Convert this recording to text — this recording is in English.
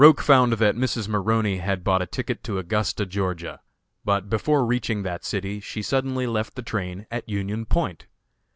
Roch found that Mrs. Maroney had bought a ticket to Augusta, Ga.; but before reaching that city, she suddenly left the train at Union Point.